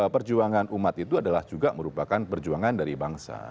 perjuangan umat itu adalah juga merupakan perjuangan dari bangsa